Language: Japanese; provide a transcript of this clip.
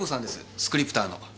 スクリプターの。